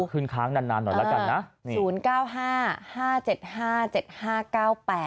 ขึ้นค้างนานหน่อยแล้วกันนะ